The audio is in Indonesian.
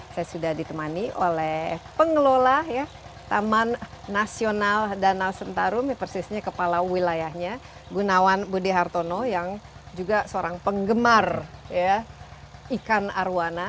saya sudah ditemani oleh pengelola taman nasional danau sentarum persisnya kepala wilayahnya gunawan budi hartono yang juga seorang penggemar ikan arowana